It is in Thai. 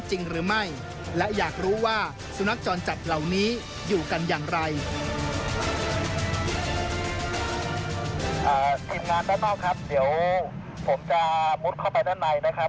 ทีมงานป้าเป้าครับเดี๋ยวผมจะมุดเข้าไปด้านในนะครับ